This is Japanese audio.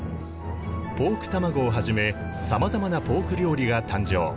ポークたまごをはじめさまざまなポーク料理が誕生。